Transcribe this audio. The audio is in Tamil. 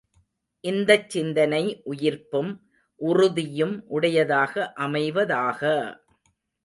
இந்தச் சிந்தனை உயிர்ப்பும் உறுதியும் உடையதாக அமைவதாக!